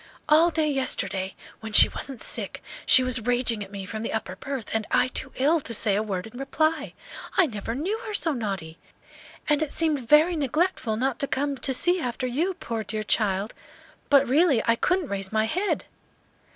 "All day yesterday, when she wasn't sick she was raging at me from the upper berth, and I too ill to say a word in reply. I never knew her so naughty! And it seemed very neglectful not to come to see after you, poor dear child! but really I couldn't raise my head."